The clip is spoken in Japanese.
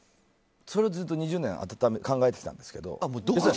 それをずっと２０年考えてたんですけど。